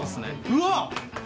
うわっ！